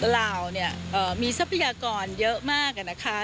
ลาวเนี่ยมีทรัพยากรเยอะมากนะคะ